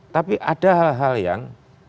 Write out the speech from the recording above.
tapi ada hal hal yang